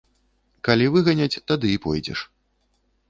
Калі выганяць, тады і пойдзеш.